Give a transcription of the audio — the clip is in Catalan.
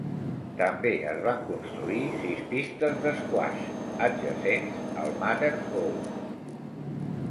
També es van construir sis pistes d'esquaix, adjacents al Mather Hall.